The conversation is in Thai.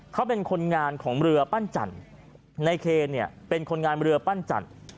เขาเป็นคนงานของเรือปั้นจันทร์ในเคเนี่ยเป็นคนงานเรือปั้นจันทร์